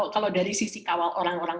kalau dari sisi kawal orang orang